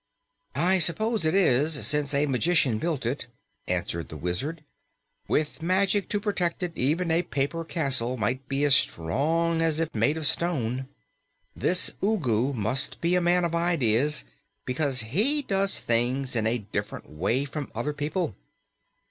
"I suppose it is, since a magician built it," answered the Wizard. "With magic to protect it, even a paper castle might be as strong as if made of stone. This Ugu must be a man of ideas, because he does things in a different way from other people."